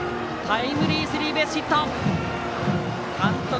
タイムリースリーベースヒット！